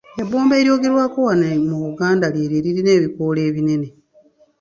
Ebbombo eryogerwako wano ng'eddagala mu Buganda ly'eryo eririna ebikoola ebinene